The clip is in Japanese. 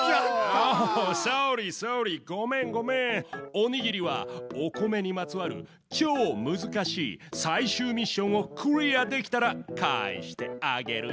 おにぎりはお米にまつわるちょうむずかしいさいしゅうミッションをクリアできたらかえしてあげるヨー！